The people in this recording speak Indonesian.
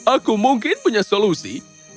aku mungkin punya solusi